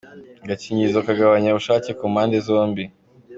Agakingirizo kagabanya ubushake ku mpande zombi .